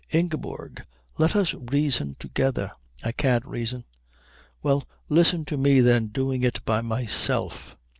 "Ingeborg, let us reason together." "I can't reason." "Well, listen to me then doing it by myself."